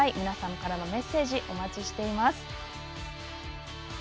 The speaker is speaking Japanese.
皆さんからのメッセージお待ちしています。